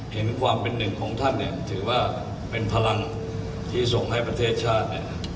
เห็นความเป็นหนึ่งของท่านเนี่ยถือว่าเป็นพลังที่ส่งให้ประเทศชาติเนี่ย